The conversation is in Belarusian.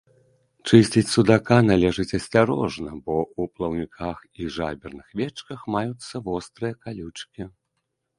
Чысціць судака належыць асцярожна, бо ў плаўніках і жаберных вечках маюцца вострыя калючкі.